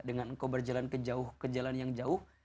dengan engkau berjalan ke jauh ke jalan yang jauh